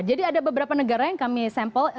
jadi ada beberapa negara yang kami sampel